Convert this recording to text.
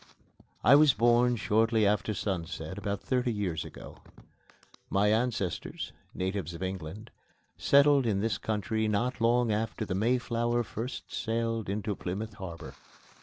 I was born shortly after sunset about thirty years ago. My ancestors, natives of England, settled in this country not long after the Mayflower first sailed into Plymouth Harbor.